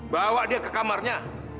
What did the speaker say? bawa dia ke kamarnya